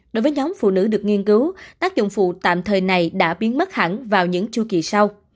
đối với nhóm phụ nữ được nghiên cứu tác dụng phụ tạm thời này đã biến mất hẳn vào những chu kỳ sau